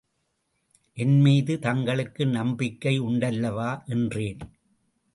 என்மீது தங்களுக்கு நம்பிக்கை உண்டல்லவா? என்றேன்.